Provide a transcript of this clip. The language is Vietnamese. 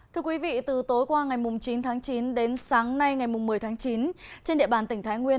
thưa quý vị từ tối qua ngày chín tháng chín đến sáng nay ngày một mươi tháng chín trên địa bàn tỉnh thái nguyên